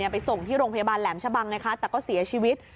ไปส่งที่โรงพยาบาลแหลมชะบังไงคะแต่ก็เสียชีวิต